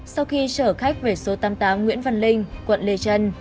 sau khi chở khách về số tám mươi tám nguyễn văn linh quận lê trân